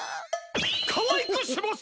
かわいくします！